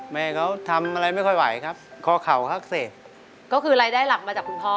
แม่เขาทำอะไรไม่ค่อยไหวครับคอเข่าอักเสบก็คือรายได้หลักมาจากคุณพ่อ